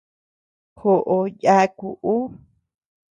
Joʼó yàaku ú.